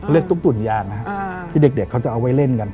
เรียกตุ๊กตุ่นยานนะฮะที่เด็กเขาจะเอาไว้เล่นกัน